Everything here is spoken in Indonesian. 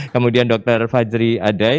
kemudian dr fajri adai